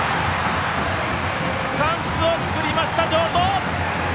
チャンスを作りました、城東！